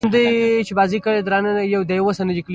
شاید رب نواز خان هغه تهدید کړی وي.